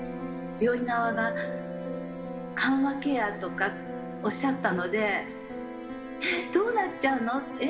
病院側が緩和ケアとかおっしゃったので、えっ、どうなっちゃうの？